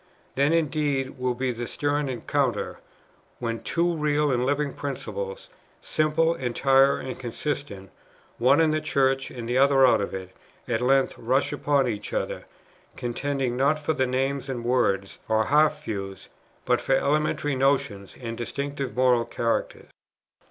Then indeed will be the stern encounter, when two real and living principles, simple, entire, and consistent, one in the Church, the other out of it, at length rush upon each other, contending not for names and words, or half views, but for elementary notions and distinctive moral characters."